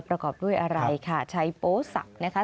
ประกอบด้วยอะไรค่ะใช้โปสับนะคะ